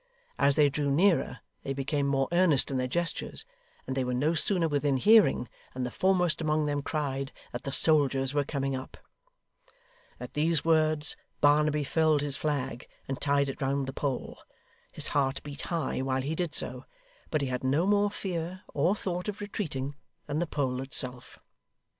As they drew nearer, they became more earnest in their gestures; and they were no sooner within hearing, than the foremost among them cried that the soldiers were coming up. At these words, Barnaby furled his flag, and tied it round the pole. His heart beat high while he did so, but he had no more fear or thought of retreating than the pole itself.